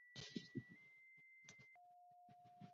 Chris রিডের স্থলাভিষিক্ত হন।